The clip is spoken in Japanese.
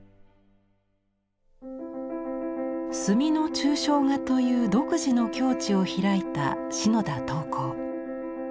「墨の抽象画」という独自の境地を開いた篠田桃紅。